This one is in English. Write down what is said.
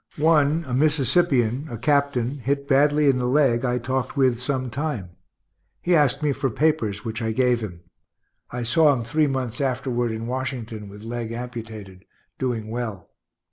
One, a Mississippian a captain hit badly in the leg, I talked with some time; he asked me for papers, which I gave him. (I saw him three months afterward in Washington, with leg amputated, doing well.)